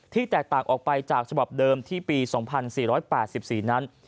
แตกต่างออกไปจากฉบับเดิมที่ปี๒๔๘๔นั้น